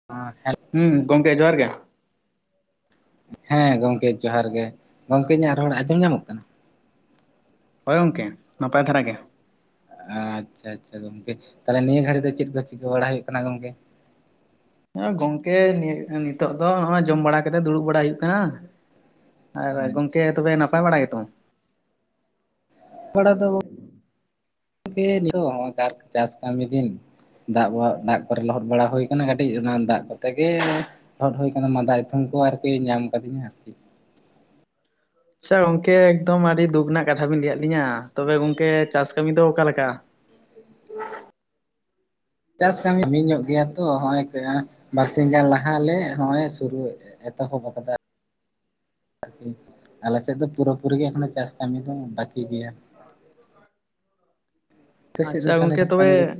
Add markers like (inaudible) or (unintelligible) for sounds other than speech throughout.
(unintelligible) ᱦᱩᱸ ᱜᱚᱝᱠᱮ ᱡᱚᱦᱟᱨ ᱜᱮ᱾ ᱦᱮᱸ ᱜᱚᱝᱠᱮ ᱡᱚᱦᱟᱨ ᱜᱮ ᱜᱚᱝᱠᱮ ᱤᱧᱟᱹᱜ ᱨᱚᱲ ᱟᱸᱡᱚᱢ ᱧᱟᱢᱚᱜ ᱠᱟᱱᱟ? ᱦᱳᱭ ᱜᱚᱝᱠᱮ ᱱᱟᱯᱟᱭ ᱫᱷᱟᱨᱟ ᱜᱮ᱾ ᱟᱪᱪᱷᱟ ᱟᱪᱪᱷᱟ ᱜᱚᱝᱠᱮ ᱛᱟᱦᱞᱮ ᱱᱤᱭᱟᱹ ᱜᱷᱟᱹᱲᱤᱡ ᱫᱚ ᱪᱮᱫ ᱠᱚ ᱪᱤᱠᱟᱹ ᱵᱟᱲᱟ ᱦᱩᱭᱩᱜ ᱠᱟᱱᱟ ᱜᱚᱝᱠᱮ? ᱦᱚᱜᱚᱭ ᱜᱚᱝᱠᱮ ᱱᱤᱭᱹ ᱱᱤᱛᱳᱜ ᱫᱚ ᱦᱚᱜᱚᱭ ᱡᱚᱢ ᱵᱟᱲᱟ ᱠᱟᱛᱮ ᱫᱩᱲᱩᱵ ᱵᱟᱲᱟ ᱦᱩᱭᱩᱜ ᱠᱟᱱᱟ᱾ ᱟᱨ ᱟᱪᱪᱷᱟ ᱜᱚᱝᱠᱮ ᱛᱚᱵᱮ ᱱᱟᱯᱟᱭ ᱵᱟᱲᱟ ᱜᱮᱛᱚ? ᱦᱚᱲᱟ ᱫᱚ (inaudible) ᱪᱟᱥ ᱠᱟᱹᱢᱤ ᱫᱤᱱ᱾ ᱫᱟᱜ-ᱵᱚ ᱫᱟᱜ ᱠᱚᱨᱮ ᱞᱚᱦᱚᱫ ᱵᱟᱲᱟ ᱦᱳᱭ ᱠᱟᱱᱟ ᱠᱟᱹᱴᱤᱡ ᱚᱱᱟ ᱫᱟᱜ ᱠᱚᱛᱮ ᱜᱮ ᱞᱚᱦᱚᱫ ᱦᱩᱭ ᱠᱟᱱᱟ ᱢᱟᱸᱫᱟ ᱮᱛᱚᱢ ᱠᱚ ᱟᱨᱠᱤ ᱧᱟᱢ ᱠᱟᱫᱤᱧᱟ ᱟᱨᱠᱤ᱾ ᱟᱪᱪᱷᱟ ᱜᱚᱝᱠᱮ ᱮᱠᱫᱚᱢ ᱟᱹᱰᱤ ᱫᱩᱠ ᱨᱮᱱᱟᱜ ᱠᱟᱛᱷᱟ ᱵᱤᱱ ᱞᱟᱹᱭᱟᱜ ᱞᱤᱧᱟ ᱛᱚᱵᱮ ᱜᱚᱝᱠᱮ ᱪᱟᱥ ᱠᱟᱹᱢᱤ ᱫᱚ ᱚᱠᱟᱞᱮᱠᱟ? (inaudible) ᱪᱟᱥ ᱠᱟᱹᱢᱤ (unintelligible) ᱧᱚᱜ ᱜᱮᱭᱟ ᱛᱚ ᱦᱚᱜᱚᱭ (unintelligible) ᱵᱟᱨᱥᱤ ᱜᱟᱱ ᱞᱟᱦᱟᱞᱮ ᱦᱚᱜᱚᱭ ᱥᱩᱨᱩ ᱮᱛᱚᱦᱚᱵ ᱟᱠᱟᱫᱟ᱾ ᱟᱠᱤ ᱟᱞᱮ ᱥᱮᱫ ᱫᱚ ᱯᱩᱨᱟᱹᱯᱩᱨᱤ ᱜᱮ ᱮᱠᱷᱚᱱᱳ ᱪᱟᱥ ᱠᱟᱹᱢᱤ ᱫᱚ ᱵᱟᱠᱤ ᱜᱮᱭᱟ᱾ ᱟᱯᱮ ᱥᱮᱫ ᱫᱚ ᱟᱪᱪᱷᱟ ᱛᱟᱦᱚᱞᱮ ᱜᱚᱝᱠᱮ ᱪᱟᱥ ᱛᱚᱵᱮ, ᱠᱟᱹᱢᱤ ᱠᱚᱫᱚ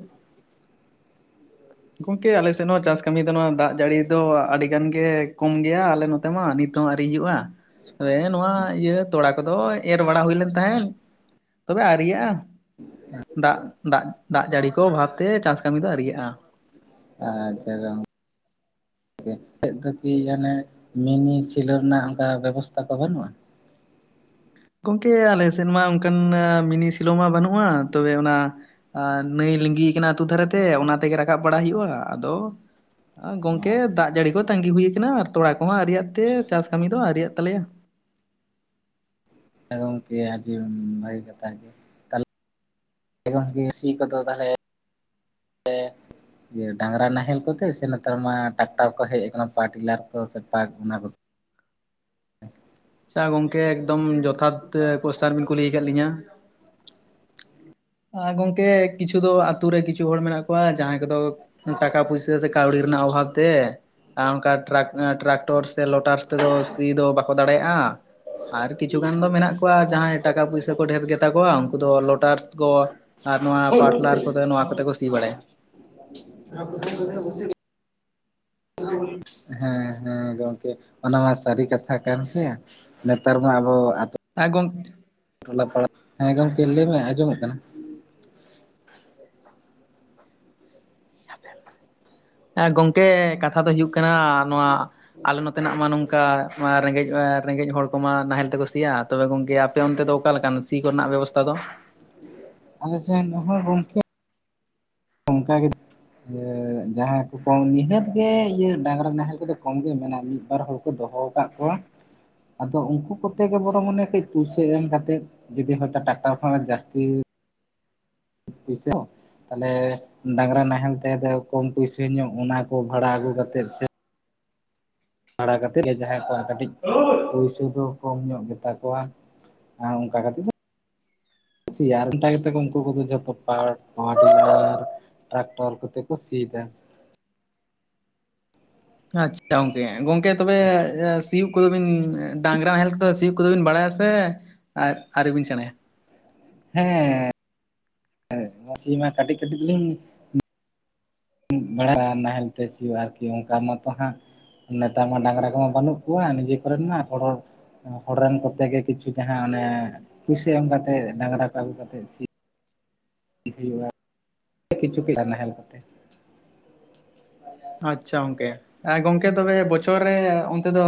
ᱜᱚᱝᱠᱮ ᱟᱞᱮ ᱥᱮᱱᱦᱚᱸ ᱪᱟᱥ ᱠᱟᱹᱢᱤ ᱫᱚ ᱱᱚᱜᱚᱭ ᱫᱟᱜ ᱡᱟᱹᱲᱤ ᱫᱚ ᱟᱹᱰᱤ ᱜᱟᱱ ᱜᱮ ᱠᱚᱢ ᱜᱮᱭᱟ ᱟᱞᱮ ᱱᱚ ᱛᱮ ᱢᱟ ᱱᱤᱛ ᱦᱚᱸ ᱟᱹᱨᱤ ᱦᱤᱡᱩᱜᱼᱟ᱾ ᱦᱮ ᱱᱚᱣᱟ ᱤᱭᱟᱹ ᱛᱚᱲᱟ ᱠᱚᱫᱚ ᱮᱨ ᱵᱟᱲᱟ ᱦᱩᱭ ᱞᱮᱱ ᱛᱟᱦᱮᱸᱱ᱾ ᱛᱚᱵᱮ ᱟᱶᱨᱤᱭᱟᱜ-ᱟ᱾ (unintelligible) ᱫᱟᱜ ᱫᱟᱜ ᱫᱟᱜ ᱡᱟᱹᱲᱤ ᱠᱚ ᱚᱵᱷᱟᱵᱛᱮ ᱪᱟᱥ ᱠᱟᱹᱢᱤ ᱫᱚ ᱟᱶᱸᱨᱤᱭᱟᱜᱼᱟ᱾ ᱟᱪᱷᱟ ᱜᱚᱝ ᱠᱮ ᱪᱮᱫ ᱫᱚ ᱠᱤ ᱮᱱᱮ ᱢᱤᱱᱤ, ᱥᱮᱞᱳ, ᱨᱮᱱᱟᱜ ᱚᱱᱠᱟ ᱵᱮᱵᱚᱥᱛᱷᱟ ᱠᱚ ᱵᱟᱹᱱᱩᱜᱼᱟ? ᱜᱚᱝᱠᱮ ᱟᱞᱮ ᱥᱮᱱ ᱢᱟ ᱚᱱᱠᱟᱱ ᱢᱤᱱᱤ, ᱥᱮᱞᱳ ᱢᱟ ᱵᱟᱹᱱᱩᱜᱼᱟ ᱛᱚᱵᱮ ᱚᱱᱟ, ᱟ ᱱᱟᱹᱭ ᱞᱤᱸᱜᱤ ᱠᱟᱱᱟ ᱟᱹᱛᱩ ᱫᱷᱟᱨᱮ ᱛᱮ ᱚᱱᱟ ᱛᱮᱜᱮ ᱨᱟᱠᱟᱵ ᱵᱟᱲᱟ ᱦᱩᱭᱩᱜᱼᱟ ᱟᱫᱚ, ᱜᱚᱝᱠᱮ ᱫᱟᱜ ᱡᱟᱹᱲᱤ ᱠᱚ ᱛᱟᱸᱜᱤ ᱦᱩᱭ ᱠᱟᱱᱟ ᱟᱨ ᱛᱚᱲᱟ ᱠᱚᱦᱚᱸ ᱟᱶᱨᱤᱭᱟᱜ ᱛᱮ ᱪᱟᱥ ᱠᱟᱹᱢᱤ ᱫᱚ ᱟᱶᱨᱤᱭᱟᱜ ᱛᱟᱞᱮᱭᱟ᱾ ᱦᱮ ᱜᱚᱝᱠᱮ ᱟᱹᱰᱤ ᱵᱷᱟᱹᱜᱮ ᱠᱟᱛᱷᱟ ᱜᱮ (inaudible) ᱜᱚᱝᱠᱮ ᱥᱤ ᱠᱚᱫᱚ ᱛᱟᱦᱞᱮ ᱤᱭᱟᱹ ᱰᱟᱝᱨᱟ ᱱᱟᱦᱮᱞ ᱠᱚᱛᱮ ᱥᱮ ᱱᱮᱛᱟᱨ ᱢᱟ ᱴᱟᱠᱴᱟᱨ ᱠᱚ ᱦᱮᱡ ᱠᱟᱱᱟ ᱯᱟᱶᱟᱨ ᱴᱤᱞᱟᱨ ᱠᱚ ᱥᱮ ᱯᱟᱠ ᱚᱱᱟ ᱠᱚ? ᱪᱷᱟ ᱜᱚᱝᱠᱮ ᱮᱠᱫᱚᱢ ᱡᱚᱛᱷᱟᱛ-ᱛᱮ ᱠᱚᱥᱪᱟᱱ ᱵᱤᱱ ᱠᱩᱞᱤ ᱠᱟᱜ ᱞᱤᱧᱟᱹ᱾ ᱟ ᱜᱚᱝᱠᱮ ᱠᱤᱪᱷᱩ ᱫᱚ ᱟᱛᱹᱩ ᱨᱮ ᱠᱤᱪᱷᱩ ᱦᱚᱲ ᱢᱮᱱᱟᱜ ᱠᱚᱣᱟ ᱡᱟᱦᱟᱸᱭ ᱠᱚᱫᱚ, ᱴᱟᱠᱟ ᱯᱩᱭᱥᱟᱹ ᱥᱮ ᱠᱟᱹᱣᱰᱤ ᱨᱮᱱᱟᱜ ᱚᱵᱷᱟᱵᱽ ᱛᱮ᱾ ᱟᱸ ᱚᱱᱠᱟ ᱴᱨᱟᱠ ᱴᱨᱟᱠᱴᱚᱨ ᱥᱮ ᱞᱚᱴᱟᱨᱥ ᱛᱮᱫᱚ ᱥᱤ ᱫᱚ ᱵᱟᱠᱚ ᱫᱟᱲᱮᱭᱟᱜᱼᱟ᱾ ᱟᱨ ᱠᱤᱪᱷᱩ ᱜᱟᱱ ᱫᱚ ᱢᱮᱱᱟᱜ ᱠᱚᱣᱟ ᱡᱟᱦᱟᱸᱭ ᱴᱟᱠᱟ ᱯᱩᱭᱥᱟᱹ ᱠᱚ ᱰᱷᱮᱨ ᱜᱮᱛᱟ ᱠᱚᱣᱟ ᱩᱱᱠᱩ ᱫᱚ ᱞᱚᱴᱟᱨᱥ ᱠᱚᱸ, ᱟᱨ ᱱᱚᱣᱟ ᱯᱟᱴᱞᱟᱨ ᱠᱚᱛᱮ ᱱᱚᱣᱟ ᱠᱚᱛᱮ ᱠᱚ ᱥᱤ ᱵᱟᱲᱟᱭ-ᱟ᱾ (unintelligible) (unintelligible) ᱦᱮᱸ ᱦᱮᱸ ᱜᱚᱝᱠᱮ ᱚᱱᱟ ᱢᱟ ᱥᱟᱹᱨᱤ ᱠᱟᱛᱷᱟ ᱠᱟᱱ ᱥᱮ ᱱᱮᱛᱟᱨ ᱢᱟ ᱟᱸᱵᱚ ᱟᱛᱳ ᱮ ᱜᱚᱝ ᱴᱚᱞᱟ ᱯᱟᱲᱟ ᱦᱮᱸ ᱜᱚᱝᱠᱮ ᱞᱟᱹᱭ ᱢᱮ ᱟᱸᱡᱚᱢᱚᱜ ᱠᱟᱱᱟ᱾ ᱮ ᱜᱚᱝᱠᱮ ᱠᱟᱛᱷᱟ ᱫᱚ ᱦᱩᱭᱩᱹᱜ ᱠᱟᱱᱟ ᱱᱚᱣᱟᱹ, ᱟᱸᱞᱮ ᱱᱚᱛᱮᱱᱟᱜ ᱢᱟ ᱱᱚᱝᱠᱟ ᱨᱮᱸᱜᱮᱡ ᱮᱻ ᱨᱮᱸᱜᱮᱡ ᱦᱚᱲ ᱠᱚᱢᱟ ᱱᱟᱦᱮᱞ ᱛᱮᱠᱚᱸ ᱥᱤᱭᱟ᱾ ᱛᱚᱵᱮ ᱜᱚᱝᱠᱮ ᱟᱸᱯᱮ ᱚᱱᱛᱮ ᱫᱚ ᱚᱠᱟᱹᱞᱮᱠᱱ ᱥᱤ ᱠᱚᱨᱮᱱᱟ-ᱜ ᱵᱮᱵᱚᱥᱛᱷᱟ ᱫᱚ? ᱟᱸᱞᱮ ᱥᱮᱱ ᱦᱚᱸ ᱜᱚᱝᱠᱮ ᱚᱱᱠᱟ ᱜᱮᱼᱼ ᱤᱭᱟᱹ ᱡᱟᱦᱟᱸ ᱠᱚ ᱠᱚᱢ ᱱᱤᱦᱟᱹᱛ ᱜᱮ ᱤᱭᱟᱹ ᱰᱟᱝᱨᱟ ᱱᱟᱦᱮᱞ ᱠᱚᱫᱚᱸ ᱠᱚᱢ ᱜᱮ ᱢᱮᱱᱟᱜᱼᱟ ᱢᱤᱫ ᱵᱟᱨ ᱦᱚᱲᱼᱼᱼ ᱠᱚᱫᱚᱦᱚ ᱟᱠᱟᱫ ᱠᱚᱣᱟ ᱟᱸᱫᱚ ᱩᱱᱠᱩ ᱠᱚᱛᱮ ᱜᱮ ᱵᱚᱱᱚ ᱢᱚᱱᱮ ᱠᱟᱹᱡ ᱯᱩᱭᱥᱟᱹ ᱮᱢ ᱠᱟᱛᱮᱫ᱾ ᱡᱩᱫᱤ ᱦᱚᱭᱛᱳ ᱴᱟᱠᱟ ᱦᱚᱸ ᱡᱟᱥᱛᱤᱼᱼᱼᱼ ᱯᱩᱭᱪ ᱛᱟᱦᱚᱸᱞᱮ ᱰᱟᱝᱨᱟ ᱱᱟᱦᱮᱞ ᱛᱮ ᱠᱚᱢ ᱯᱩᱭᱥᱟᱹ ᱧᱚᱜ ᱚᱱᱟ ᱠᱚ ᱵᱷᱟᱲᱟ ᱟᱹᱜᱩ ᱠᱟᱛᱮᱜ ᱥᱮ ᱵᱷᱟᱲᱟ ᱠᱟᱛᱮᱫ ᱡᱟᱦᱟᱸᱭ ᱠᱚᱣᱟᱜ ᱠᱟᱹᱴᱤᱡ ᱯᱩᱭᱥᱟᱹ ᱫᱚ ᱠᱚᱢ ᱧᱚᱜ ᱜᱮᱛᱟ ᱠᱚᱣᱟ᱾ ᱦᱮ ᱚᱱᱠᱟ ᱠᱷᱛᱤᱨ ᱫᱚᱼᱼ ᱥᱮᱭᱟᱨᱮᱱᱴᱟ ᱠᱟᱛᱮ ᱠᱚ ᱩᱱᱠᱩ ᱠᱚᱫᱚᱸ ᱡᱷᱚᱛᱚ ᱯᱟᱴᱰᱤᱟᱨᱼᱼᱼ ᱴᱟᱠᱴᱟᱨ ᱠᱟᱛᱮ ᱠᱚ ᱥᱤᱭ ᱛᱟᱦᱮᱱ᱾ ᱟᱪᱪᱷᱟ ᱜᱚᱝᱠᱮ ᱜᱚᱝᱠᱮ ᱛᱚᱵᱮᱻ ᱥᱤᱭᱳᱜ ᱠᱚᱸᱫᱚᱵᱤᱱ ᱰᱟᱝᱨᱟ ᱱᱟᱦᱮᱞ ᱠᱚᱫᱚᱸ ᱥᱤᱭᱳᱜ ᱠᱚᱸᱫᱚᱵᱤᱱ ᱵᱟᱲᱟᱭ-ᱟ ᱥᱮ ᱟᱨ ᱟᱨᱣᱨᱤ ᱵᱤᱱ ᱥᱮᱬᱟᱭ-ᱟ᱾ ᱦᱮᱸᱻ ᱦᱮᱸ ᱥᱤᱭ ᱢᱟ ᱠᱟᱹᱴᱤᱡ ᱠᱟᱹᱴᱤᱡ ᱫᱚᱞᱤᱧᱸᱼᱼᱼ ᱵᱮᱲᱟᱜᱼᱟ ᱱᱟᱦᱮᱞ ᱛᱮ ᱥᱤᱭᱳᱜ ᱟᱨᱠᱤ ᱚᱱᱠᱟ ᱢᱟᱛᱚ ᱦᱟᱸᱜ ᱱᱮᱛᱟᱨ ᱢᱟ ᱰᱟᱝᱨᱟ ᱠᱚᱢᱟ ᱵᱟᱹᱱᱩᱜ ᱠᱚᱣᱟ ᱱᱤᱡᱮ ᱠᱚᱨᱮ ᱢᱟ ᱦᱚᱲᱹᱚᱲᱼᱼ ᱦᱚᱲ ᱨᱮᱱ ᱠᱚᱛᱮ ᱜᱮ ᱠᱤᱪᱷᱩ ᱡᱟᱦᱟᱸ ᱚᱱᱮ ᱯᱩᱭᱥᱟᱹ ᱮᱢ ᱠᱟᱛᱮᱜ ᱰᱟᱝᱨᱟ ᱠᱚ ᱟᱹᱜᱩ ᱠᱟᱛᱮᱜ ᱥᱤᱼᱼᱼ ᱦᱩᱭᱩᱜᱼᱟ ᱠᱤᱪᱷᱩ ᱠ ᱱᱟᱦᱮᱞ ᱠᱚᱛᱮᱼᱼᱼ ᱟᱪᱪᱷᱟ ᱜᱚᱝᱠᱮ ᱟᱸ ᱜᱚᱝᱠᱮ ᱵᱚᱪᱷᱚᱨ ᱨᱮ ᱚᱱᱛᱮ ᱫᱚ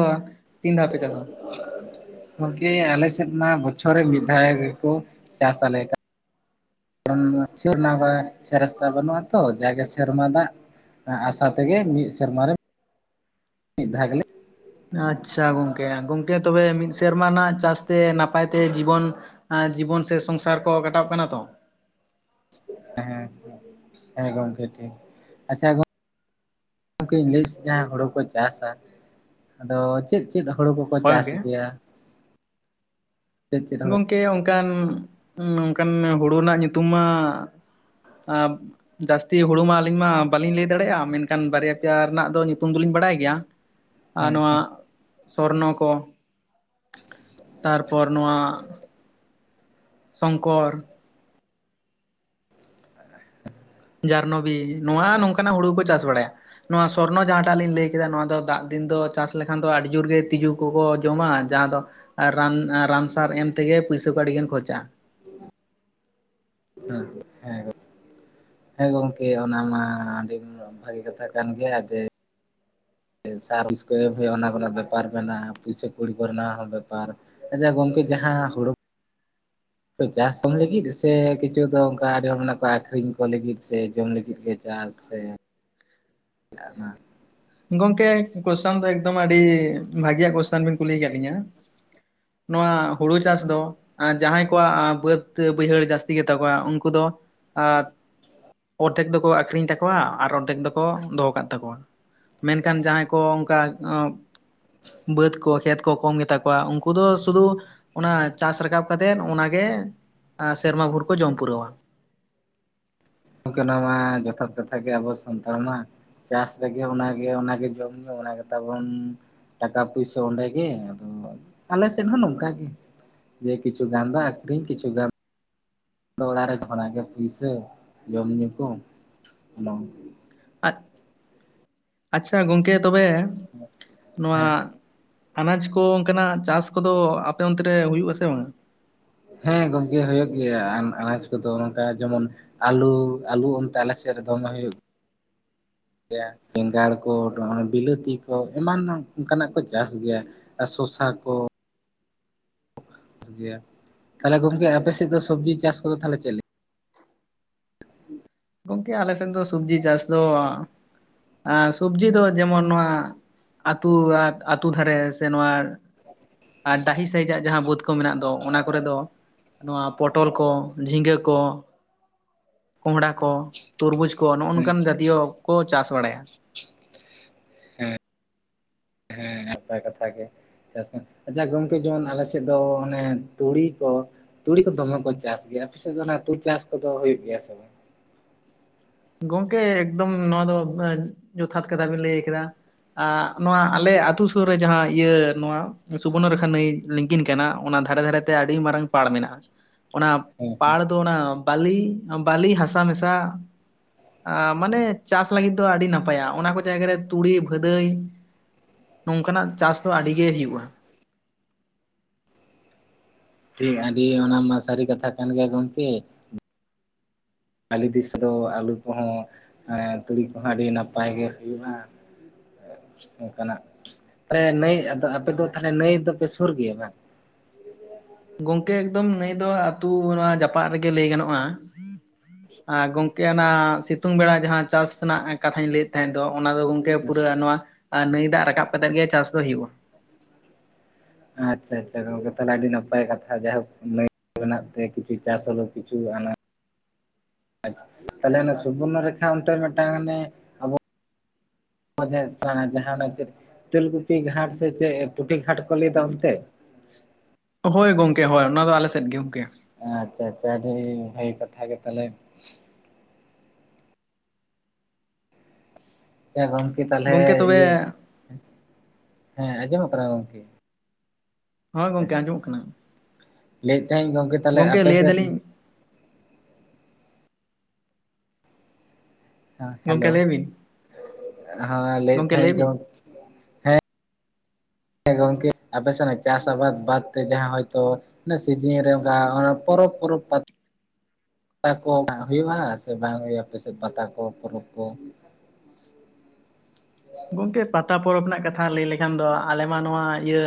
ᱛᱤᱱ ᱫᱷᱟᱣ ᱯᱮ ᱪᱟᱥᱟ? (inaudible) ᱜᱚᱢᱠᱮ ᱟᱸᱞᱮ ᱥᱮᱫ ᱢᱟ ᱵᱚᱪᱷᱚᱨ ᱨᱮ ᱢᱤᱫ ᱫᱷᱟᱣ ᱜᱮᱠᱚᱸ ᱪᱟᱥ ᱟᱸᱞᱮ ᱠᱟᱱᱟ᱾ ᱠᱟᱨᱚᱱ ᱥᱮ (unintelligible) ᱵᱟᱹᱱᱩᱜᱼᱟᱛᱚ ᱡᱟᱜᱮ ᱥᱮᱨᱢᱟ ᱫᱟᱜᱼᱼ ᱟᱥᱟ ᱛᱮᱜᱮ ᱢᱤᱫ ᱥᱮᱨᱢᱟ ᱨᱮ ᱢᱤᱫ ᱫᱷᱟᱣ ᱜᱮᱞᱼᱼᱼ ᱟᱪᱪᱷᱟ ᱜᱚᱝᱠᱮ ᱜᱚᱝᱠᱮ ᱛᱚᱵᱮ ᱢᱤᱫ ᱥᱮᱨᱢᱟ ᱨᱮᱱᱟᱜ ᱪᱟᱥᱹᱛᱮ ᱱᱟᱯᱟᱭᱹᱛᱮ ᱡᱤᱵᱚᱱᱼᱼᱼ ᱡᱤᱵᱚᱱ ᱥᱮ ᱥᱚᱝᱥᱟᱨ ᱠᱚ ᱠᱟᱴᱟᱜ ᱠᱟᱱᱟ ᱛᱚ᱾ ᱦᱮ ᱜᱚᱢᱠᱮ ᱴᱷᱤᱠ ᱟᱪᱪᱷᱟ ᱜᱚᱝᱼᱼᱼ ᱜᱚᱢᱠᱮᱧ ᱞᱟᱹᱭ ᱡᱟᱦᱟᱸ ᱦᱳᱲᱩ ᱠᱚ ᱪᱟᱥᱟ ᱟᱸᱫᱚ ᱪᱮᱫ ᱪᱮᱫ? ᱪᱮᱫ ᱦᱩᱲᱳ ᱠᱚᱠᱚ ᱦᱳᱭ ᱪᱟᱥ ᱜᱚᱝᱠᱮ ᱜᱮᱭᱟ᱾ ᱪᱮᱫ ᱪᱮᱫ ᱦᱚᱲ ᱜᱚᱢᱠᱮ ᱚᱱᱠᱟᱱ ᱚᱱᱠᱟᱱ ᱦᱩᱲᱩ ᱨᱮᱱᱟᱹᱜ ᱧᱩᱛᱩᱢ ᱢᱟᱼᱼᱼ ᱟᱵᱼᱼᱼ ᱡᱟᱹᱥᱛᱤ ᱦᱩᱲᱩ ᱢᱟ ᱟᱹᱞᱤᱧ ᱢᱟ ᱵᱟᱞᱤᱧ ᱞᱟᱹᱭ ᱫᱟᱲᱮᱭᱟᱜᱼᱟ ᱢᱮᱱᱠᱷᱟᱱ ᱵᱟᱨᱭᱟ ᱯᱮᱭᱟ ᱨᱮᱱᱟᱜ ᱫᱚ ᱧᱩᱛᱩᱢ ᱫᱚᱞᱤᱧ ᱵᱟᱲᱟᱭ ᱜᱮᱭᱟ᱾ (inaudible) ᱟᱨ ᱦᱮᱸ ᱱᱚᱣᱟ ᱦᱮᱸ ᱥᱚᱨᱱᱚ ᱠᱚ ᱛᱟᱨᱯᱚᱨ ᱱᱚᱣᱟᱼᱼᱼ ᱥᱚᱝᱠᱚᱨ᱾ ᱡᱟᱨᱱᱚᱵᱤ ᱱᱚᱣᱟ ᱱᱚᱝᱹᱠᱟᱱᱟᱜ ᱦᱩᱲᱩ ᱠᱚ ᱪᱟᱥ ᱵᱟᱹᱲᱟᱭᱟ᱾ ᱱᱚᱣᱟ ᱥᱚᱨᱱᱚ ᱡᱟᱦᱟᱸᱴᱟᱜ ᱞᱤᱧ ᱞᱟᱹᱭ ᱠᱮᱫᱟ ᱱᱚᱣᱟ ᱫᱚ ᱫᱟᱜ ᱫᱤᱱ ᱫᱚ ᱪᱟᱥ ᱞᱮᱹᱠᱷᱟᱱ ᱫᱚ ᱟᱹᱰᱤ ᱡᱳᱨ ᱜᱮ ᱛᱸᱤᱡᱩ᱾ ᱠᱚᱠᱚᱸ ᱡᱚᱢᱟ ᱡᱟᱦᱟᱸ ᱫᱚ ᱨᱟᱱ ᱨᱟᱱ ᱥᱟᱨ ᱮᱢ ᱛᱮᱜᱮ ᱯᱩᱭᱥᱟᱹ ᱠᱚ ᱟᱹᱰᱤᱜᱟᱱ ᱠᱷᱚᱨᱪᱟᱜᱼᱟ᱾ ᱦᱮᱸᱦᱮᱸ ᱜᱚᱢᱠᱮ᱾ ᱦᱮᱸ ᱜᱚᱝᱠᱮ ᱚᱱᱟ ᱢᱟ ᱟᱹᱰᱤ ᱵᱷᱟᱜᱤ ᱠᱟᱛᱷᱟ ᱠᱟᱱ ᱜᱮᱭᱟ ᱡᱮᱼᱼ ᱥᱟᱵᱤᱥᱠᱭᱤᱵ ᱮᱢ ᱦᱩᱭᱩᱜᱼᱟ ᱚᱱᱟ ᱠᱚᱨᱮᱱᱟᱜ ᱵᱮᱯᱟᱨ ᱢᱮᱱᱟᱜᱼᱟ ᱯᱩᱭᱥᱟᱹ ᱠᱩᱲᱤ ᱠᱚᱨᱮᱱᱟᱜ ᱦᱚᱸ ᱵᱮᱯᱟᱨ᱾ ᱟᱡᱟ ᱜᱚᱝᱠᱮ ᱡᱟᱦᱟᱸ ᱦᱩᱲᱩᱼᱼ ᱪᱟᱥ ᱡᱚᱢ ᱞᱟᱹᱜᱤᱫ ᱥᱮ ᱠᱤᱪᱷᱩ ᱫᱚ ᱚᱱᱠᱟ ᱟᱹᱰᱤ ᱦᱚᱲ ᱢᱮᱱᱟᱜ ᱠᱚ ᱟᱠᱷᱨᱤᱧ ᱠᱚ ᱞᱟᱹᱜᱤᱫ ᱥᱮ ᱡᱚᱢ ᱞᱟᱹᱜᱤᱫ ᱜᱮ ᱪᱟᱥ ᱥᱮᱼᱼ (inaudible) (unintelligible) ᱜᱚᱝᱠᱮ ᱠᱚᱥᱪᱚᱱ ᱫᱚ ᱮᱠᱫᱚᱢ ᱟᱹᱰᱤ ᱵᱷᱟᱹᱜᱤᱭᱟᱜ ᱠᱚᱥᱪᱟᱱ ᱵᱤᱱᱼᱼ ᱠᱩᱞᱤᱭ ᱠᱟᱜ ᱞᱤᱧᱟ ᱱᱚᱣᱟ ᱦᱩᱲᱩ ᱪᱟᱥ ᱫᱚ ᱟᱸ ᱡᱟᱦᱟᱸᱭ ᱠᱚᱣᱟᱜ ᱵᱟᱹᱫᱽᱼᱼ ᱵᱟᱹᱭᱦᱟᱹᱲ ᱡᱟᱹᱥᱛᱤ ᱜᱮᱛᱟ ᱠᱚᱣᱟ ᱩᱱᱠᱩ ᱫᱚ ᱟᱼᱼ ᱚᱨᱫᱷᱮᱠ ᱫᱚᱠᱚ ᱟᱠᱷᱨᱤᱧ ᱛᱟᱠᱚᱣᱟ ᱟᱨ ᱚᱨᱫᱷᱮᱠ ᱫᱚᱠᱚ ᱫᱚᱦᱚ ᱠᱟᱜ ᱛᱟᱠᱚᱣᱟ᱾ ᱢᱮᱱᱠᱷᱟᱱ ᱡᱟᱦᱟᱸᱭ ᱠᱚ ᱚᱱᱠᱟᱼᱼ ᱵᱟᱹᱫᱽ ᱠᱚ ᱠᱷᱮᱛ ᱠᱚ ᱠᱚᱢ ᱜᱮᱛᱟ ᱠᱚᱣᱟ ᱩᱱᱠᱩ ᱫᱚ ᱥᱩᱫᱩᱼᱼ ᱚᱱᱟ ᱪᱟᱥ ᱨᱟᱠᱟᱵ ᱠᱟᱛᱮᱫ ᱚᱱᱟᱜᱮ ᱟᱸ ᱥᱮᱨᱢᱟ ᱵᱷᱳᱨ ᱠᱚ ᱡᱚᱢ ᱯᱩᱨᱟᱹᱣᱟ᱾ ᱚᱱᱠᱟᱱᱟᱜ ᱢᱟ ᱡᱚᱛᱷᱟᱛ ᱠᱟᱛᱷᱟ ᱜᱮ ᱟᱵᱚ ᱥᱟᱱᱛᱟᱲ ᱢᱟ᱾ ᱪᱟᱥ ᱨᱮᱜᱮ ᱚᱱᱟᱜᱮ ᱚᱱᱟᱜᱮ ᱡᱚᱢ ᱧᱩᱩ ᱚᱱᱟ ᱜᱮ ᱛᱟᱵᱚᱱᱼᱼ ᱴᱟᱠᱟ ᱯᱩᱭᱥᱟᱹ ᱚᱸᱰᱮᱜᱮ ᱟᱫᱚ ᱟᱞᱮ ᱥᱮᱫ ᱦᱚᱸ ᱱᱚᱝᱠᱟᱜ ᱜᱮ᱾ ᱡᱮ ᱠᱤᱪᱷᱩ ᱜᱟᱱᱫᱟ ᱟᱠᱷᱨᱤᱧ ᱠᱪᱷᱩ ᱜᱟᱱᱼᱼ ᱫᱚ ᱚᱲᱟᱨᱮ ᱚᱱᱟᱜᱮ ᱢᱮ ᱯᱩᱭᱥᱟᱹ ᱡᱚᱢ ᱧᱩ ᱠᱚ ᱵᱟᱝᱼᱼ ᱟᱡ ᱟᱪᱪᱷᱟ ᱜᱚᱝᱠᱮ ᱛᱚᱵᱮ ᱱᱚᱣᱟᱼᱼ ᱦᱮᱸ ᱟᱱᱟᱡ ᱠᱚ ᱚᱱᱠᱟᱱᱟᱜ ᱪᱟᱥ ᱠᱚᱫᱚ ᱟᱯᱮ ᱚᱱᱛᱮ ᱨᱮ ᱦᱩᱭᱩᱜ ᱟᱥᱮ ᱵᱟᱝᱼᱟ? ᱦᱮᱸ ᱜᱚᱢᱠᱮ ᱦᱩᱭᱩᱜ ᱜᱮᱭᱟ ᱟᱱ ᱟᱱᱟᱡ ᱠᱚᱫᱚ ᱱᱚᱝᱠᱟ ᱡᱮᱢᱚᱱᱼᱼ ᱟᱞᱩ ᱟᱞᱩ ᱚᱱᱛᱮ ᱟᱞᱮ ᱥᱮᱜ ᱨᱮ ᱫᱚᱢᱮ ᱦᱩᱭᱩᱜᱼᱼ ᱵᱮᱸᱜᱟᱲ ᱠᱚ ᱱᱚ ᱵᱤᱞᱟᱹᱛᱤ ᱠᱚ ᱮᱢᱟᱱ ᱚᱱᱠᱟᱱᱟᱜ ᱠᱚ ᱪᱟᱥ ᱜᱮᱭᱟ᱾ ᱟ ᱥᱚᱥᱟ ᱠᱚ᱾ ᱜᱮ ᱛᱟᱦᱚᱞᱮ ᱜᱚᱢᱠᱮ ᱟᱯᱮ ᱥᱮᱫ ᱫᱚ ᱥᱚᱵᱡᱤ ᱪᱟᱥ ᱠᱚᱫᱚ ᱛᱟᱦᱞᱮ ᱪᱮᱜ ᱞᱮᱠᱟ? ᱜᱚᱢᱠᱮ ᱟᱞᱮ ᱥᱮᱱ ᱫᱚ ᱥᱚᱵᱡᱤ ᱪᱟᱥ ᱫᱚ ᱟᱸ ᱥᱚᱵᱡᱤ ᱫᱚ ᱡᱮᱢᱚᱱ ᱱᱚᱣᱟᱼᱼ ᱟᱹᱛᱩ ᱣᱟᱛ ᱟᱛᱩ ᱫᱷᱟᱨᱮ ᱥᱮ ᱱᱚᱣᱟᱼᱼ ᱟᱨ ᱰᱟᱦᱤ ᱥᱟᱹᱭᱤᱡᱟᱜ ᱡᱟᱦᱟᱸ ᱵᱟᱹᱫᱽ ᱠᱚ ᱢᱮᱱᱟᱜ ᱫᱚ ᱚᱱᱟ ᱠᱚᱨᱮ ᱫᱚᱼᱼ ᱱᱚᱣᱟ ᱯᱚᱴᱚᱞ ᱠᱚ ᱡᱷᱤᱸᱜᱟᱹ ᱠᱚ ᱠᱚᱸᱦᱰᱷᱟᱼᱼ ᱠᱚ ᱛᱩᱨᱵᱩᱡᱽ ᱠᱚ ᱱᱚᱜᱼᱚ ᱦᱮᱸ ᱱᱚᱝᱠᱟᱱ ᱡᱟᱛᱤᱭᱚ ᱠᱚ ᱪᱟᱥ ᱵᱟᱲᱟᱭᱟ᱾ ᱱᱟᱯᱟᱭ ᱠᱟᱛᱷᱟ ᱜᱮ ᱪᱟᱥ ᱟᱪᱪᱷᱟ ᱜᱚᱝᱠᱮ ᱡᱮᱢᱚᱱ ᱟᱞᱮ ᱥᱮᱫ ᱫᱚ ᱚᱱᱮ ᱛᱩᱲᱤ ᱠᱚ ᱛᱩᱲᱤ ᱠᱚ ᱫᱚᱢᱮ ᱠᱚ ᱪᱟᱥ ᱜᱮᱭᱟ ᱟᱯᱤᱥᱮᱜ ᱫᱚ ᱚᱱᱟ ᱛᱩᱨ ᱪᱟᱥ ᱠᱚᱫᱚ ᱦᱩᱭᱩᱜ ᱜᱮᱭᱟ ᱥᱮ ᱵᱟᱝ? ᱜᱚᱝᱠᱮ ᱮᱠᱫᱚᱢ ᱱᱚᱣᱟ ᱫᱚ ᱡᱚᱛᱷᱟᱛ ᱠᱟᱛᱷᱟ ᱵᱤᱱ ᱞᱟᱹᱭ ᱠᱮᱫᱟ᱾ ᱟᱜ ᱱᱚᱣᱟ ᱟᱞᱮ ᱟᱛᱳ ᱥᱩᱨ ᱨᱮ ᱡᱟᱦᱟᱸ ᱤᱭᱟᱹ ᱱᱚᱣᱟ ᱥᱩᱵᱚᱨᱱᱚ ᱨᱮᱠᱷᱟ ᱱᱟᱹᱭᱼᱼ ᱞᱤᱝᱜᱤᱱ ᱠᱟᱱᱟ ᱚᱱᱟ ᱫᱷᱟᱨᱮ ᱫᱷᱟᱨᱮᱛᱮ ᱟᱹᱰᱤ ᱢᱟᱨᱟᱝ ᱯᱟᱲ ᱢᱮᱱᱟᱜᱼᱟ᱾ ᱚᱱᱟ ᱦᱮᱸ ᱯᱟᱲ ᱫᱚ ᱚᱱᱟ ᱵᱟᱞᱤ ᱵᱟᱞᱤ ᱦᱟᱥᱟ ᱢᱮᱥᱟ ᱟᱸ ᱢᱟᱱᱮ ᱪᱟᱥ ᱞᱟᱹᱜᱤᱫ ᱫᱚ ᱟᱹᱰᱤ ᱱᱟᱯᱟᱭᱟ ᱚᱱᱟ ᱠᱚ ᱡᱟᱭᱜᱟ ᱨᱮ ᱛᱩᱲᱤ ᱵᱷᱟᱹᱫᱟᱹᱭᱼᱼ ᱱᱚᱝᱠᱟᱱᱟᱜ ᱪᱟᱥ ᱫᱚ ᱟᱹᱰᱤ ᱜᱮ ᱦᱳᱭᱳᱼᱟ᱾ ᱴᱤ ᱟᱹᱰᱤ ᱚᱱᱟᱢᱟ ᱥᱟᱹᱨᱤ ᱠᱟᱛᱷᱟ ᱠᱟᱱ ᱜᱮᱭᱟ ᱜᱚᱢᱠᱮ᱾ ᱟᱞᱮ ᱫᱤᱥ ᱨᱮᱫᱚ ᱟᱹᱞᱩ ᱠᱚᱦᱚᱸ ᱮᱸ ᱛᱩᱲᱤ ᱠᱚᱦᱚᱸ ᱟᱹᱰᱤ ᱱᱟᱯᱟᱭ ᱜᱮ ᱦᱩᱭᱩᱜᱼᱟ᱾ ᱚᱱᱠᱟᱱᱟᱜ ᱛᱟᱞᱮ ᱱᱟᱹᱭ ᱟᱫᱚ ᱟᱯᱮ ᱫᱚ ᱛᱟᱞᱦᱮ ᱱᱟᱹᱭ ᱫᱚᱯᱮ ᱥᱩᱨ ᱜᱮᱭᱟ ᱵᱟᱝ? ᱜᱚᱝᱠᱮ ᱮᱠᱫᱚᱢ ᱱᱟᱹᱭ ᱫᱚ ᱟᱹᱛᱩ ᱱᱚᱣᱟ ᱡᱟᱯᱟᱜ ᱨᱮᱜᱮ ᱞᱟᱹᱭ ᱜᱟᱱᱚᱜᱼᱟ ᱟ ᱜᱚᱝᱠᱮ ᱚᱱᱟ ᱥᱤᱛᱩᱝ ᱵᱮᱲᱟ ᱡᱟᱦᱟᱸ ᱪᱟᱥ ᱨᱮᱱᱟᱜ ᱠᱟᱛᱷᱟᱧ ᱞᱟᱹᱭᱮᱫ ᱛᱟᱦᱮᱸ ᱫᱚ ᱚᱱᱟ ᱫᱚ ᱜᱚᱝᱠᱮ ᱯᱩᱨᱟᱹ ᱱᱚᱣᱟᱼᱼ ᱟᱨ ᱱᱟᱹᱭ ᱫᱟᱜ ᱨᱟᱠᱟᱵ ᱠᱟᱛᱮᱜ ᱜᱮ ᱪᱟᱥ ᱫᱚ ᱦᱩᱭᱩᱼᱟ᱾ ᱟᱪᱪᱷᱟ ᱟᱪᱪᱷᱟ ᱜᱚᱝᱠᱮ ᱛᱟᱦᱚᱞᱮ ᱟᱹᱰᱤ ᱱᱟᱯᱟᱭ ᱠᱟᱛᱷᱟ ᱡᱟᱭᱦᱳ ᱱᱟᱹᱭᱼᱼ ᱢᱮᱱᱟᱜ ᱛᱮ ᱠᱤᱪᱷᱩ ᱪᱟᱥ ᱦᱚᱞᱚ ᱠᱤᱪᱷᱩ ᱟᱱᱟᱼᱼ ᱟᱪ ᱛᱟᱦᱚᱞᱮ ᱚᱱᱟ ᱥᱩᱵᱚᱨᱱᱚ ᱨᱮᱠᱷᱟ ᱚᱱᱛᱮ ᱢᱤᱫᱴᱟᱝ ᱟᱱᱮ ᱟᱵᱚᱼᱼ (unintelligible) ᱡᱟᱦᱟᱱᱟᱜ ᱚᱱᱮ ᱪᱮᱼᱼ ᱛᱮᱞᱜᱩᱯᱤ ᱜᱷᱟᱴ ᱥᱮ ᱪᱮᱫ ᱯᱩᱴᱷᱤ ᱜᱷᱟᱴ ᱠᱚ ᱞᱟᱹᱭ ᱫᱚ ᱚᱱᱛᱮ? ᱦᱳᱭ ᱜᱚᱝᱠᱮ ᱦᱳᱭ ᱚᱱᱟ ᱫᱚ ᱟᱞᱮ ᱥᱮᱫ ᱜᱮ ᱜᱚᱝᱠᱮ᱾ ᱟᱪᱪᱷᱟ ᱟᱪᱷᱟ ᱟᱰᱤ ᱵᱷᱟᱜᱮ ᱠᱟᱛᱷᱟ ᱜᱮ ᱛᱟᱦᱚᱞᱮ᱾ ᱮ ᱜᱚᱢᱠᱮ ᱛᱟᱦᱚᱞᱮ ᱜᱚᱝᱠᱮ ᱛᱚᱵᱮ ᱤᱭᱟᱹ ᱦᱮᱸ ᱟᱸᱡᱚᱢᱚᱜ ᱠᱟᱱᱟ ᱜᱚᱢᱠᱮ? ᱦᱚᱸ ᱜᱚᱝᱠᱮ ᱟᱡᱚᱢᱼᱚᱜ ᱠᱟᱱᱟ᱾ ᱞᱟᱹᱭᱮᱫ ᱛᱟᱦᱮᱧ ᱜᱚᱝᱠᱮ ᱛᱟᱦᱚᱞᱮ ᱞᱟᱹᱭ ᱟᱯᱮᱥᱮᱫ ᱫᱟᱞᱤᱧ ᱦᱮ ᱜᱚᱝᱠᱮ ᱦᱮᱞᱳ ᱞᱟᱹᱭ ᱵᱤᱱ ᱦᱮᱸ ᱞᱟᱹᱭᱮᱫ ᱞᱟᱹᱭ ᱛᱟᱦᱮᱸᱱ ᱵᱤᱱ ᱜᱚᱝᱠᱮ ᱦᱮᱸ ᱦᱮᱸ ᱜᱚᱝᱠᱮ ᱟᱯᱮ ᱥᱮᱱᱟᱜ ᱪᱟᱥ ᱟᱵᱟᱫ ᱵᱟᱫ ᱛᱮ ᱡᱟᱦᱟᱸ ᱦᱚᱭᱛᱚ ᱟᱱᱟ ᱥᱤᱡᱤᱱ ᱨᱮ ᱚᱱᱠᱟ ᱚᱱᱟ ᱯᱚᱨᱚᱵᱽ ᱯᱚᱨᱚᱵ ᱯᱟᱫ ᱯᱟᱛᱟ ᱠᱚ ᱱᱟᱜ ᱦᱳᱭᱳᱜᱼᱟ ᱥᱮ ᱵᱟᱝ ᱦᱩᱭᱩᱜᱼᱟ ᱟᱯᱮᱥᱮᱫ ᱯᱟᱛᱟ ᱠᱚ ᱯᱚᱨᱚᱵᱽ ᱠᱚ? ᱜᱚᱢᱠᱮ ᱯᱟᱛᱟ ᱯᱚᱨᱚᱵᱽ ᱨᱮᱱᱟᱜ ᱠᱟᱛᱷᱟ ᱞᱟᱹᱭ ᱞᱮᱠᱷᱟᱱ ᱫᱚ ᱟᱞᱮ ᱢᱟ ᱱᱚᱣᱟ ᱤᱭᱟᱹ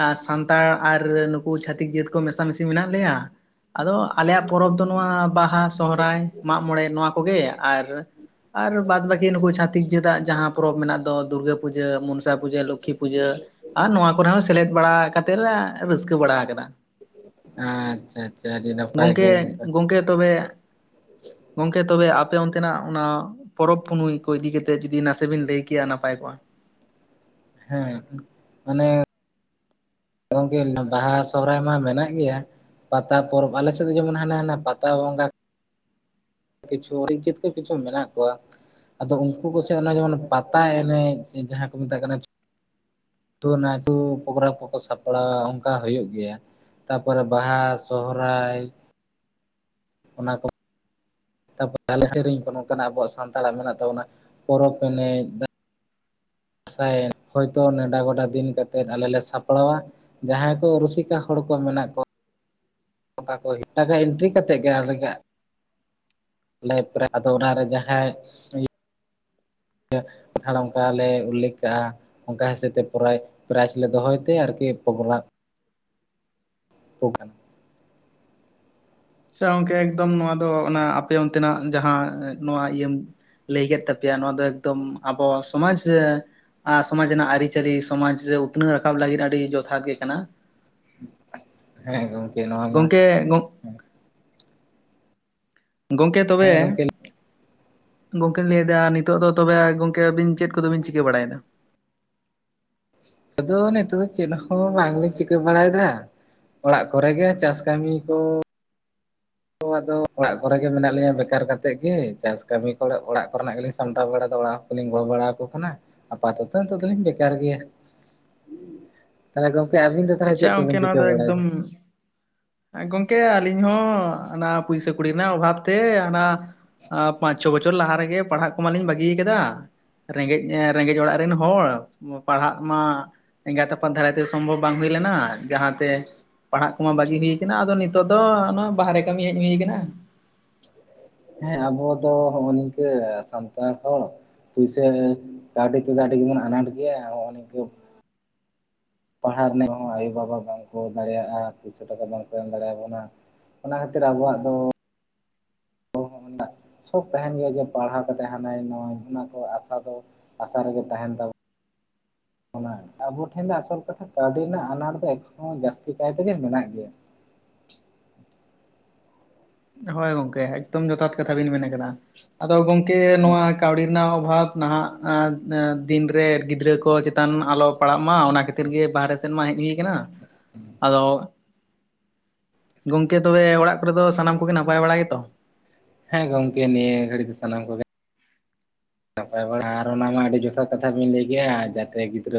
ᱟ ᱥᱟᱱ ᱛᱟᱲ ᱟᱨ ᱱᱩᱠᱩ ᱪᱷᱟᱹᱛᱤᱠ ᱡᱟᱹᱛ ᱠᱚ ᱢᱮᱥᱟ ᱢᱤᱥᱤ ᱢᱮᱱᱟᱜ ᱞᱮᱭᱟ᱾ ᱟᱫᱚ ᱟᱞᱮᱭᱟᱜ ᱯᱚᱨᱚᱵᱽ ᱫᱚ ᱱᱚᱣᱟ ᱵᱟᱦᱟ ᱥᱚᱦᱨᱟᱭ ᱢᱟᱜ ᱢᱚᱬᱮ ᱱᱚᱣᱟ ᱠᱚᱜᱮ ᱟᱨ ᱟᱨ ᱵᱟᱫ ᱵᱟᱹᱠᱤ ᱱᱩᱠᱩ ᱪᱷᱟᱛᱤᱠ ᱡᱟᱹᱛᱟᱜ ᱡᱟᱦᱟᱸ ᱯᱚᱨᱚᱵᱽ ᱢᱮᱱᱟᱜ ᱫᱚ ᱫᱩᱨᱜᱟᱹ ᱯᱩᱡᱟᱹ, ᱢᱚᱱᱥᱟ ᱯᱩᱡᱟᱹ, ᱞᱚᱠᱠᱷᱤ ᱯᱩᱡᱟᱹ ᱟᱨ ᱱᱚᱣᱟ ᱠᱚᱨᱮ ᱦᱚᱸ ᱥᱮᱞᱮᱫ ᱵᱟᱲᱟ ᱠᱟᱛᱮ ᱞᱟ ᱨᱟᱹᱥᱠᱟᱹ ᱵᱟᱲᱟᱣ ᱠᱟᱫᱟ᱾ ᱟᱪᱪᱷᱟ ᱟᱪᱪᱷᱟ ᱟᱹᱰᱤ ᱱᱟᱯᱟᱭ ᱜᱮ ᱜᱚᱝᱠᱮ ᱜᱚᱝᱠᱮ ᱛᱚᱵᱮ ᱜᱚᱝᱠᱮ ᱛᱚᱵᱮ ᱟᱯᱮ ᱚᱱᱛᱮᱱᱟᱜ ᱚᱱᱟ ᱯᱚᱨᱚᱵᱽ ᱯᱩᱱᱟᱹᱭ ᱠᱚ ᱤᱫᱤ ᱠᱟᱛᱮ ᱡᱩᱫᱤ ᱱᱟᱥᱮ ᱵᱤᱱ ᱞᱟᱹᱭ ᱠᱮᱭᱟᱹ ᱱᱟᱯᱟᱭ ᱠᱜ-ᱟ᱾ ᱦᱮᱸ ᱢᱟᱱᱮ ᱫᱚ ᱜᱚᱝᱠᱮ ᱵᱟᱦᱟ ᱥᱚᱦᱚᱨᱟᱭ ᱢᱟ ᱢᱮᱱᱟᱜ ᱜᱮᱭᱟ᱾ ᱯᱟᱛᱟ ᱯᱚᱨᱚᱵᱽ ᱟᱞᱮᱥᱮᱫ ᱫᱚ ᱡᱮᱢᱚᱱ ᱦᱟᱱᱟ ᱦᱟᱱᱟ ᱯᱟᱛᱟ ᱵᱚᱸᱜᱟ ᱠᱤᱪᱷᱩ (unintelligible) ᱠᱚ ᱠᱤᱪᱷᱩ ᱢᱮᱱᱟᱜ ᱠᱚᱣᱟ᱾ ᱟᱫᱚ ᱩᱱᱠᱩ ᱠᱚᱥᱮᱫ ᱟᱱᱟ ᱡᱮᱢᱚᱱ ᱯᱟᱛᱟ ᱮᱱᱮᱡ ᱡᱟᱦᱟᱸ ᱠᱚ ᱢᱮᱛᱟᱜ ᱠᱟᱱᱟ ᱛᱩ ᱚᱱᱟ ᱛᱩ ᱠᱟᱵᱨᱟ ᱠᱚᱠᱚ ᱥᱟᱯᱲᱟ ᱚᱱᱠᱟ ᱦᱩᱭᱩᱜ ᱜᱮᱭᱟ᱾ ᱛᱟ ᱯᱚᱨᱮ ᱵᱟᱦᱟ ᱥᱚᱦᱚᱨᱟᱭ᱾ ᱚᱱᱟ ᱠᱚ᱾ ᱛᱟᱯᱚᱨ ᱟᱞᱮ ᱥᱮᱨᱮᱧ ᱠᱚ ᱱᱚᱝᱠᱟᱱᱟᱜ ᱥᱟᱱᱛᱟᱲᱟᱜ ᱢᱮᱱᱟᱜ ᱛᱟᱵᱚᱱᱟ ᱯᱚᱨᱚᱵᱽ ᱮᱱᱮᱡ ᱫᱟ ᱫᱟᱸᱥᱟᱭ ᱦᱚᱭᱛᱳ ᱱᱮᱰᱟ ᱜᱚᱰᱟ ᱫᱤᱱ ᱠᱟᱛᱮᱫ ᱟᱞᱮ ᱞᱮ ᱥᱟᱯᱲᱟᱣᱟ᱾ ᱡᱟᱦᱟᱸᱭ ᱠᱚ ᱨᱩᱥᱤᱠᱟ ᱦᱚᱲ ᱠᱚ ᱢᱮᱱᱟᱜ ᱠᱚᱭᱟ ᱚᱱᱟ ᱠᱚ ᱮᱴᱟᱜᱟ ᱮᱱᱴᱨᱤ ᱠᱟᱛᱮᱫ ᱜᱮ ᱟᱞᱮ ᱜᱟ ᱞᱟᱭᱤᱯᱷ ᱨᱮ ᱟᱫᱚ ᱚᱱᱟᱨᱮ ᱡᱟᱦᱟᱸᱭ ᱜᱮ ᱛᱷᱟᱲ ᱚᱱᱠᱟᱞ ᱞᱮ ᱩᱞᱞᱮᱠᱷ ᱠᱟᱜᱼᱟ᱾ ᱚᱱᱠᱟ ᱦᱤᱥᱟᱹᱵᱽ ᱛᱮ ᱯᱨᱟᱭ ᱯᱨᱟᱭᱤᱡᱽ ᱞᱮ ᱫᱚᱦᱚᱭ ᱛᱮ ᱟᱨᱠᱤ ᱯᱨᱳᱜᱟ (unintelligible) ᱟᱪᱪᱷᱟ ᱜᱚᱝᱠᱮ ᱮᱠᱫᱚᱢ ᱱᱚᱣᱟ ᱫᱚ ᱚᱱᱟ ᱟᱯᱮ ᱚᱱᱛᱮᱱᱟᱜ ᱡᱟᱦᱟᱸ ᱱᱚᱣᱟ ᱤᱭᱟᱹᱢ ᱞᱟᱹᱭ ᱠᱮᱫ ᱛᱟᱯᱮᱭᱟ ᱱᱚᱣᱟ ᱫᱚ ᱮᱠᱫᱚᱢ ᱟᱵᱚᱣᱟᱜ ᱥᱚᱢᱟᱡ ᱨᱮ ᱟ ᱥᱚᱢᱟᱡᱽ ᱨᱮᱱᱟᱜ ᱟᱹᱨᱤᱪᱟᱹᱞᱤ ᱥᱚᱢᱟᱡᱽ ᱨᱮ ᱩᱛᱱᱟᱹᱣ ᱨᱟᱠᱟᱵ ᱞᱟᱹᱜᱤᱫ ᱟᱹᱰᱤ ᱡᱚᱛᱷᱟᱛ ᱜᱮ ᱠᱟᱱᱟ᱾ ᱦᱮᱸ ᱜᱚᱢᱠᱮ ᱱᱚᱣᱟ ᱢᱟ ᱜᱚᱝᱠᱮ ᱜᱚᱝ- ᱜᱚᱢᱠᱮ ᱛᱚᱵᱮ ᱦᱮᱸ ᱜᱚᱝᱠᱮ ᱜᱚᱝᱠᱮᱧ ᱞᱟᱹᱭᱮᱫᱟ ᱱᱤᱛᱚᱜ ᱫᱚ ᱛᱚᱵᱮ ᱜᱚᱝᱠᱮ ᱟᱵᱤᱱ ᱪᱮᱫ ᱠᱚᱫᱚ ᱵᱤᱱ ᱪᱤᱠᱟᱹ ᱵᱟᱲᱟᱭᱮᱫᱟ? ᱟᱫᱚ ᱱᱤᱛᱚᱜ ᱫᱚ ᱪᱮᱫ ᱦᱚᱸ ᱵᱟᱝ ᱞᱤᱧ ᱪᱤᱠᱟᱹ ᱵᱟᱲᱟᱭᱮᱫᱟ᱾ ᱚᱲᱟᱜ ᱠᱚᱨᱮ ᱜᱮ ᱪᱟᱥ ᱠᱟᱹᱢᱤ ᱠᱚ ᱫᱚ ᱟᱫᱚ ᱚᱲᱟᱜ ᱠᱚᱨᱮ ᱜᱮ ᱢᱮᱱᱟᱜ ᱞᱤᱧᱟ ᱵᱮᱠᱟᱨ ᱠᱟᱛᱮᱫ ᱜᱮ ᱪᱟᱥ ᱠᱟᱹᱢᱤ ᱠᱚᱨᱮ ᱚᱲᱟᱜ ᱠᱚᱨᱮᱱᱟᱜ ᱜᱮᱞᱤᱧ ᱥᱟᱢᱴᱟᱣ ᱵᱟᱲᱟᱮᱫᱟ ᱚᱲᱟᱜ ᱞᱤᱧ ᱜᱚᱲᱚ ᱵᱟᱲᱟ ᱟᱠᱚ ᱠᱟᱱᱟ ᱟᱯᱟᱛᱚᱛᱚ ᱱᱤᱛᱚᱜ ᱫᱚᱞᱤᱧ ᱵᱮᱠᱟᱨ ᱜᱮᱭᱟ᱾ (inaudible) ᱛᱟᱦᱞᱮ ᱜᱚᱢᱠᱮ ᱟᱵᱤᱱ ᱫᱚ ᱛᱟᱦᱚᱞᱮ ᱟᱪᱪᱷᱟ ᱪᱮᱫ ᱜᱚᱢᱠᱮ ᱠᱚᱵᱤᱱ ᱱᱚᱣᱟ ᱫᱚ ᱪᱤᱠᱟᱹ ᱮᱠᱫᱚᱢ ᱵᱟᱲᱟᱭᱮᱫᱟ ᱜᱚᱝᱠᱮ ᱟᱹᱞᱤᱧ ᱦᱚᱸ ᱚᱱᱟ ᱯᱩᱭᱥᱟᱹ ᱠᱩᱲᱤ ᱨᱮᱱᱟᱜ ᱚᱵᱷᱟᱵ ᱛᱮ ᱦᱟᱱᱟ ᱟᱸ ᱯᱟᱸᱪ ᱪᱷᱚ ᱵᱚᱪᱷᱚᱨ ᱞᱟᱦᱟ ᱨᱮᱜᱮ ᱯᱟᱲᱦᱟᱜ ᱠᱚ ᱢᱟ ᱞᱤᱧ ᱵᱟᱹᱜᱤᱭ ᱠᱟᱫᱟ᱾ ᱨᱮᱸᱜᱮᱡ ᱨᱮᱸᱜᱮᱡ ᱚᱲᱟᱜ ᱨᱮᱱ ᱦᱚᱲ ᱯᱟᱲᱦᱟᱜ ᱢᱟ ᱮᱸᱜᱟᱛ ᱟᱯᱟᱛ ᱫᱷᱟᱨᱟᱭ ᱥᱚᱢᱵᱷᱚᱵ ᱵᱟᱝ ᱦᱩᱭ ᱞᱮᱱᱟ ᱡᱟᱸᱦᱟᱛᱮ ᱯᱟᱲᱦᱟᱜ ᱠᱚᱢᱟ ᱵᱟᱜᱤ ᱦᱩᱭ ᱠᱟᱱᱟ ᱟᱫᱚ ᱱᱤᱛᱚᱜ ᱫᱚ ᱵᱟᱦᱨᱮ ᱠᱟᱹᱢᱤ ᱦᱮᱡ ᱦᱩᱭ ᱠᱟᱱᱟ᱾ ᱦᱮᱸ ᱟᱵᱚ ᱫᱚ ᱦᱚᱜᱼᱚ ᱱᱤᱝᱠᱟᱹ ᱥᱟᱱᱛᱟᱲ ᱦᱚᱲ ᱯᱩᱭᱥᱟᱹ ᱠᱟᱹᱣᱰᱤ ᱛᱮᱫᱚ ᱟᱹᱰᱤ ᱜᱮᱵᱚᱱ ᱟᱱᱟᱴ ᱜᱮᱭᱟ ᱱᱚ-ᱚ ᱱᱤᱠᱟᱹ ᱯᱟᱲᱦᱟᱜ ᱨᱮᱱᱟᱜ ᱦᱚᱸ ᱟᱭᱳ-ᱵᱟᱵᱟ ᱵᱟᱝ ᱠᱚ ᱫᱟᱲᱮᱭᱟᱜᱼᱟ ᱯᱩᱭᱥᱟᱹ ᱴᱟᱠᱟ ᱵᱟᱝ ᱠᱚ ᱮᱢ ᱫᱟᱲᱮᱭ ᱟᱵᱚᱱᱟ᱾ ᱚᱱᱟ ᱠᱷᱟᱹᱛᱤᱨ ᱟᱵᱚᱣᱟᱜ ᱫᱚ ᱥᱚᱠᱷ ᱛᱟᱦᱮᱱ ᱜᱮᱭᱟ ᱡᱮ ᱯᱟᱲᱦᱟᱣ ᱠᱟᱛᱮᱫ ᱦᱟᱱᱟ ᱱᱚᱣᱟ ᱚᱱᱟ ᱠᱚ ᱟᱥᱟ ᱫᱚ ᱟᱥᱟ ᱨᱮᱜᱮ ᱛᱟᱦᱮᱱ ᱛᱟᱦᱮᱱ ᱛᱟᱢᱟ ᱾ (unintelligible) ᱚᱱᱟ ᱟᱵᱚ ᱴᱷᱮᱱ ᱫᱚ ᱟᱥᱚᱞ ᱠᱟᱛᱷᱟ ᱠᱟᱹᱣᱰᱤ ᱨᱮᱱᱟᱜ ᱟᱱᱟᱴ ᱫᱚ ᱮᱠᱷᱚᱱᱳ ᱡᱟᱹᱥᱛᱤ ᱠᱟᱭ ᱛᱮᱜᱮ ᱢᱮᱱᱟᱜ ᱜᱮᱭᱟ ᱾ ᱦᱳᱭ ᱜᱚᱝᱠᱮ ᱮᱠᱫᱚᱢ ᱡᱚᱛᱷᱟᱛ ᱠᱟᱛᱷᱟ ᱵᱤᱱ ᱢᱮᱱ ᱠᱟᱫᱟ, ᱟᱫᱚ ᱜᱚᱝᱠᱮ ᱱᱚᱣᱟ ᱠᱟᱹᱣᱰᱤ ᱨᱮᱱᱟᱜ ᱚᱵᱷᱟᱵᱽ ᱱᱟᱦᱟᱜ ᱫᱤᱱᱨᱮ ᱜᱤᱫᱽᱨᱟᱹ ᱠᱚ ᱪᱮᱛᱟᱱ ᱟᱞᱚ ᱯᱟᱲᱟᱜ ᱢᱟ ᱚᱱᱟ ᱠᱷᱟᱹᱛᱤᱨ ᱜᱮ ᱵᱟᱦᱨᱮ ᱥᱮᱱ ᱢᱟ ᱦᱮᱡ ᱦᱩᱭ ᱠᱟᱱᱟ, ᱟᱫᱚ ᱜᱚᱝᱠᱮ ᱛᱚᱵᱮ ᱚᱲᱟᱜ ᱠᱚᱨᱮ ᱫᱚ ᱥᱟᱱᱟᱢ ᱠᱚᱜᱮ ᱱᱟᱯᱟᱭ ᱵᱟᱲᱟ ᱜᱮᱛᱚ? ᱦᱮᱸ ᱜᱚᱝᱠᱮ ᱱᱤᱭᱟᱹ ᱜᱷᱟᱹᱲᱤᱡ ᱫᱚ ᱥᱟᱱᱟᱢ ᱠᱚᱜᱮ ᱱᱟᱯᱟᱭ ᱵᱟᱲᱟ ᱟᱨ ᱚᱱᱟ ᱢᱟ ᱟᱹᱰᱤ ᱡᱚᱛᱷᱟᱛ ᱠᱟᱛᱷᱟ ᱵᱤᱱ ᱞᱟᱹᱭ ᱠᱮᱭᱟ ᱡᱟᱛᱮ ᱜᱤᱫᱽᱨᱟᱹ